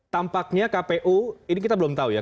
tampaknya kpu ini kita belum tahu ya